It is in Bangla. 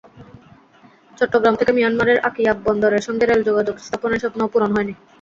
চট্টগ্রাম থেকে মিয়ানমারের আকিয়াব বন্দরের সঙ্গে রেল যোগাযোগ স্থাপনের স্বপ্নও পূরণ হয়নি।